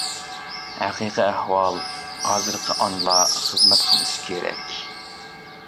ھەقىقىي ئەھۋال: ھازىرقى ئانىلار خىزمەت قىلىشى كېرەك.